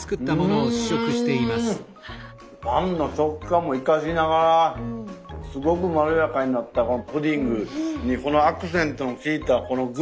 パンの食感も生かしながらすごくまろやかになったプディングにこのアクセントのきいたこの具！